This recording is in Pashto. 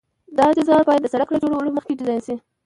دا اجزا باید د سرک له جوړولو مخکې ډیزاین شي